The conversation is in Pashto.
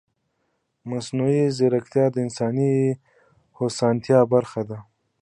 مصنوعي ځیرکتیا د انساني هوساینې برخه ده.